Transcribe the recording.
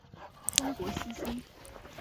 中国细辛